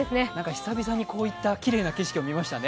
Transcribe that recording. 久々に、こういったきれいな景色を見ましたね。